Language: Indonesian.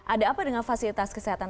ada apa dengan fasilitas kesehatan